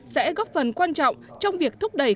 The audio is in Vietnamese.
sẽ góp phần quan trọng trong việc thúc đẩy